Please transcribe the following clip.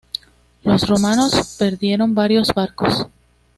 Los romanos perdieron varios barcos.